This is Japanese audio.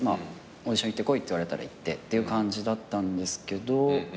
オーディション行ってこいって言われたら行ってって感じだったんですけど。